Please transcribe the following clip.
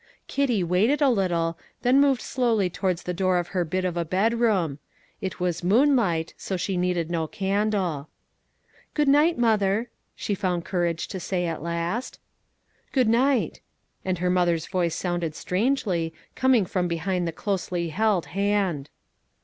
Kitty waited a little, then moved slowly towards the door of her bit of a bedroom; it was moonlight, so she needed no candle. "Good night, mother," she found courage to say at last. "Good night;" and her mother's voice sounded strangely, coming from behind the closely held hand.